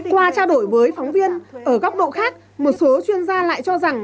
qua trao đổi với phóng viên ở góc độ khác một số chuyên gia lại cho rằng